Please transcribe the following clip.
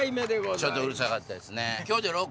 ちょっとうるさかったですね。